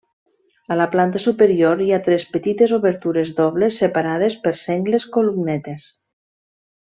A la planta superior hi ha tres petites obertures dobles separades per sengles columnetes.